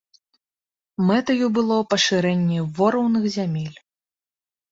Мэтаю было пашырэнне ворыўных зямель.